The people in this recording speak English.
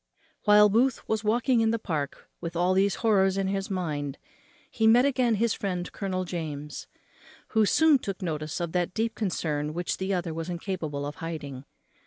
While Booth was walking in the Park with all these horrors in his mind he again met his friend Colonel James, who soon took notice of that deep concern which the other was incapable of hiding.